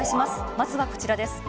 まずはこちらです。